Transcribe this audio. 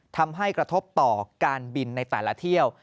ทำให้กระทบต่อการบินในแต่ละเที่ยว